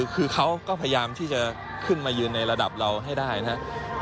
คือเขาก็พยายามที่จะขึ้นมายืนในระดับเราให้ได้นะครับ